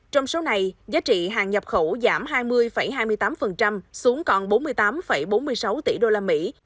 trong số này giá trị hàng nhập khẩu giảm hai mươi hai mươi tám xuống còn bốn mươi tám bốn mươi sáu tỷ đô la mỹ